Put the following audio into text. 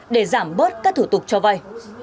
để giảm bớt các thủ tục cho vay